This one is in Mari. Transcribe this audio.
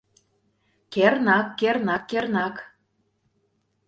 — Кернак... кернак... кернак...